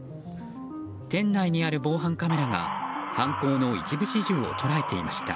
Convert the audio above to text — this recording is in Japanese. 店内にある防犯カメラが犯行の一部始終を捉えていました。